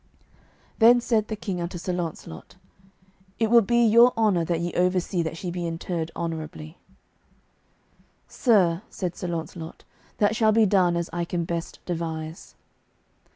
Then said the King unto Sir Launcelot, "It will be your honour that ye oversee that she be interred honourably." "Sir," said Sir Launcelot, "that shall be done as I can best devise."